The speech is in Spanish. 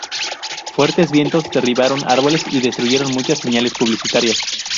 Fuertes vientos derribaron árboles y destruyeron muchas señales publicitarias.